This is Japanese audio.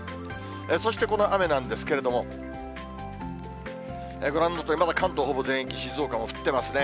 そしてこの雨なんですけれども、ご覧のとおり、関東まだほぼ全域、静岡も降ってますね。